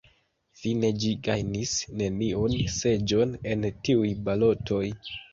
Fine ĝi gajnis neniun seĝon en tiuj balotoj.